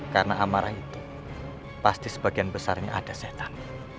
karena amarah itu pasti sebagian besarnya ada setan